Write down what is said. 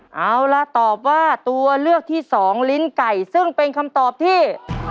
เอาล่ะตอบว่าตัวเลือกที่สองลิ้นไก่ซึ่งเป็นคำตอบที่